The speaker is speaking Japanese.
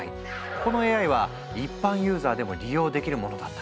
このＡＩは一般ユーザーでも利用できるものだった。